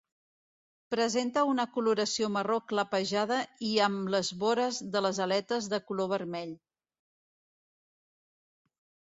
Presenta una coloració marró clapejada i amb les vores de les aletes de color vermell.